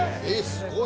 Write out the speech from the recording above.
すごい。